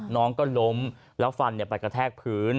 น้องก็ล้มแล้วฟันไปกระแทกพื้น